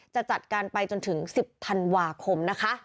จะจัดการไปจนถึง๑๐ธันวาคมนะคะ